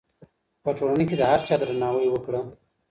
په ټولنه کې د هر چا درناوی وکړه.